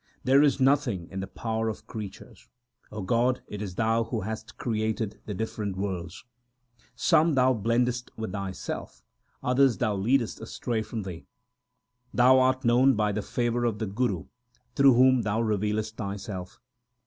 There is nothing in the power of creatures ; God, it is Thou who hast created the different worlds. Some Thou blendest with Thyself ; others Thou leadest astray from Thee. Thou art known by the favour of the Guru, through whom Thou revealest Thyself.